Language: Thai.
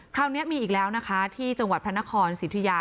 คราวนี้มีอีกแล้วนะคะที่จังหวัดพระนครสิทธิยา